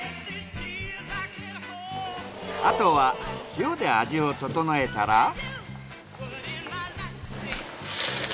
あとは塩で味を調えたら。